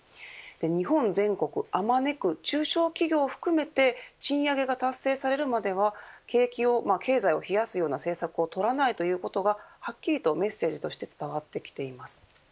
日本全国あまねく中小企業を含めて賃上げが達成されるまでは経済を冷やすような政策をとらないということがはっきりとメッセージとして伝わってきています。